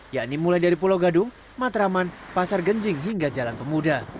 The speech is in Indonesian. yakni mulai dari pulau gadung matraman pasar genjing hingga jalan pemuda